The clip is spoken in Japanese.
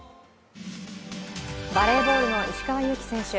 バレーボールの石川祐希選手。